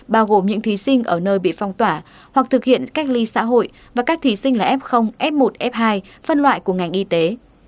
bao gồm những thí sinh ở nơi bị phong tỏa hoặc thực hiện cách ly xã hội và các thí sinh là f f một f hai phân loại của ngành y tế